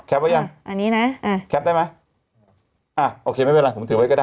แคปไว้ยังแคปได้มั้ยโอเคไม่เป็นไรผมถือไว้ก็ได้